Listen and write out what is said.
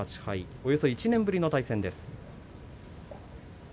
およそ１年ぶりの対戦です。